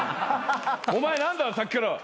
お前何だよさっきから。